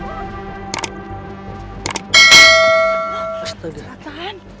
udah ternyata dia